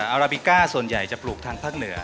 อาราบิก้าส่วนใหญ่จะปลูกทางภาคเหนือ